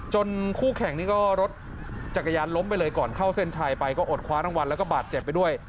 คู่แข่งนี่ก็รถจักรยานล้มไปเลยก่อนเข้าเส้นชัยไปก็อดคว้ารางวัลแล้วก็บาดเจ็บไปด้วย